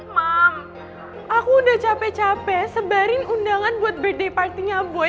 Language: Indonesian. mam aku udah capek capek sebarin undangan buat birthday partinya boy